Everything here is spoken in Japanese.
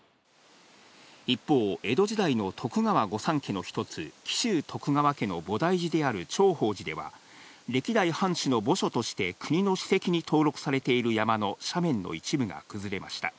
一方、江戸時代の徳川御三家の一つ、紀州徳川家の菩提寺である長保寺では、歴代藩主の墓所として国の史跡に登録されている山の斜面の一部が崩れました。